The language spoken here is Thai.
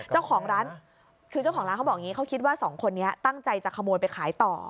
เจ้าของร้านเขาบอกอย่างนี้เขาคิดว่าสองคนนี้ตั้งใจจะขโมยไปขายต่อ